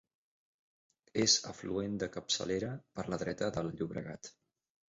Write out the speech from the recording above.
És afluent de capçalera per la dreta del Llobregat.